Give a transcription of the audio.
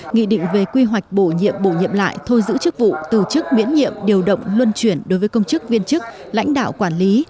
nghị định về quy hoạch bổ nhiệm bổ nhiệm lại thôi giữ chức vụ tổ chức miễn nhiệm điều động luân chuyển đối với công chức viên chức lãnh đạo quản lý